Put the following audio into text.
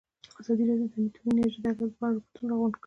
ازادي راډیو د اټومي انرژي د اغېزو په اړه ریپوټونه راغونډ کړي.